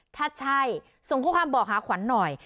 ถ้าใช่ส่งข้อความบอกหาขวัญหน่อย